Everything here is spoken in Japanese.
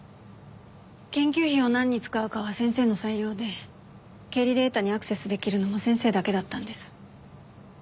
研究費を何に使うかは先生の裁量で経理データにアクセスできるのも先生だけだったんです。